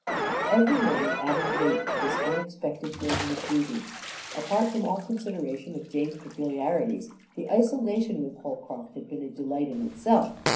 Every moment added weight to this unexpected burden of duty. Apart from all consideration of Jane's peculiarities, the isolation with Holcroft had been a delight in itself.